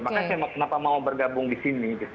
maka saya kenapa mau bergabung di sini